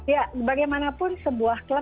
ya bagaimanapun sebuah kemampuan